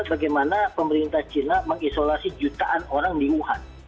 bagaimana pemerintah china mengisolasi jutaan orang di wuhan